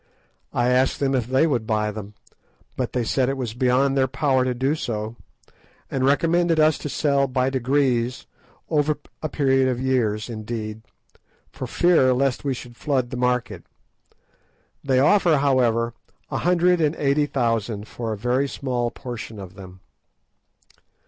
I asked them if they would buy them, but they said that it was beyond their power to do so, and recommended us to sell by degrees, over a period of years indeed, for fear lest we should flood the market. They offer, however, a hundred and eighty thousand for a very small portion of them.